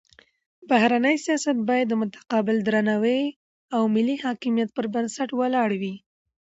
بهرنی سیاست باید د متقابل درناوي او ملي حاکمیت پر بنسټ ولاړ وي.